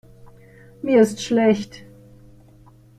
Mir ist schlecht.